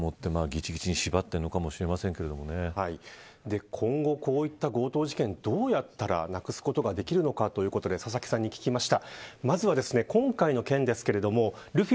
同時に相当の恐怖でもってぎちぎちに今後、こういった強盗事件をどうやったらなくすことができるのかということで佐々木さんに聞きました。